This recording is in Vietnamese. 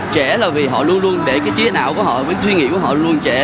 trẻ là vì họ luôn luôn để cái trí nạo của họ cái suy nghĩ của họ luôn trẻ